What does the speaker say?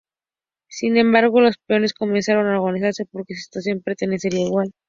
Sin embargo, los peones comenzaron a organizarse, porque su situación permanecía igual.